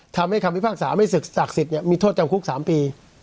ทำให้คำวิภาคศาไม่เสกสักสิทธิ์เนี่ยมีโทษจำคุก๓ปี